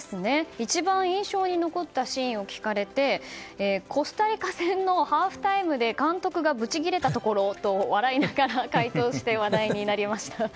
一番印象に残ったシーンを聞かれてコスタリカ戦のハーフタイムで監督がぶちギレたところと笑いながら回答して話題になりました。